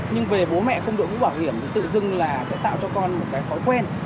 nhưng về bố mẹ không đội mũ bảo hiểm thì tự dưng là sẽ tạo cho con một cái thói quen